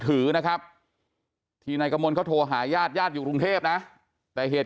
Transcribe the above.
ถือนะครับที่นายกมลเขาโทรหาญาติญาติอยู่กรุงเทพนะแต่เหตุ